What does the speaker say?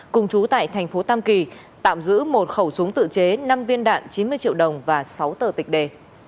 cùng chú tại thành phố tam kỳ tạm giữ một khẩu súng tự chế năm viên đạn chín mươi triệu đồng và sáu tờ tịch đề